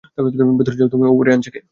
ভেতরে যাও তুমি, - ওরে আনছে কে?